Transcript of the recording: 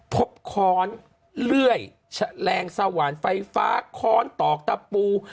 พบค้อนเลื่อยแชะแรงสวรรค์ไฟฟ้าค้อนตอกตะปู